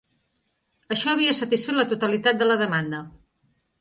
Això havia satisfet la totalitat de la demanda.